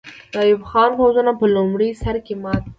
د ایوب خان پوځونو په لومړي سر کې ماته وکړه.